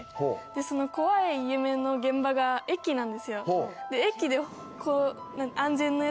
その怖い夢の現場が駅なんですよ。